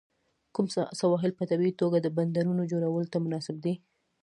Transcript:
کوم سواحل په طبیعي توګه د بندرونو جوړولو ته مناسب دي؟